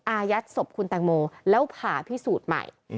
อายัดศพคุณแตงโมแล้วผ่าพิสูจน์ใหม่